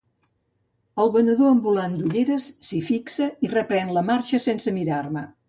El venedor ambulant d'ulleres s'hi fixa i reprèn la marxa sense mirar-me.